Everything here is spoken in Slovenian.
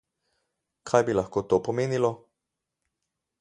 Kaj bi lahko to pomenilo?